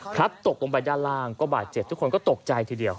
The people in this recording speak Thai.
ตกลงไปด้านล่างก็บาดเจ็บทุกคนก็ตกใจทีเดียว